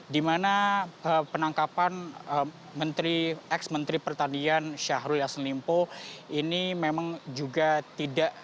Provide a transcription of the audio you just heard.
di mana penangkapan ex menteri pertanian syahrul yassin limpo ini memang juga tidak